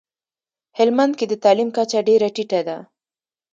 هلمندکي دتعلیم کچه ډیره ټیټه ده